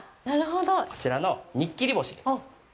こちらの、にっきり干しです。